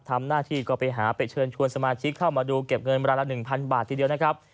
ทำหน้าที่ก็ไปหาไปเชิญชวนสมาชิกเข้ามาดูเก็บเงินเวลาละ๑๐๐บาททีเดียวนะครับ